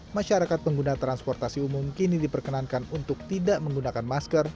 masyarakat pengguna transportasi umum kini diperkenankan untuk tidak menggunakan masker